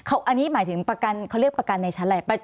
อันนี้หมายถึงประกันเขาเรียกประกันในชั้นอะไร